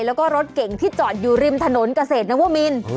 แล้วก็รถเก่งที่จอดอยู่ริมถนนเกษตรน๓๙๔๑น้ำว่ามิล